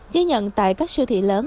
dư nhận tại các siêu thị lớn